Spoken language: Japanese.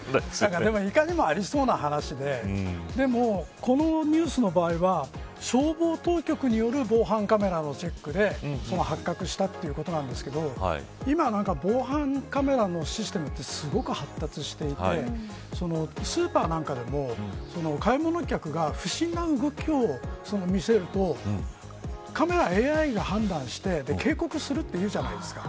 いかにもありそうな話ででも、このニュースの場合は消防当局による防犯カメラのチェックで発覚したということなんですけど今、防犯カメラのシステムってすごく発達していてスーパーなんかでも買い物客が不審な動きを見せるとＡＩが判断して警告するというじゃないですか。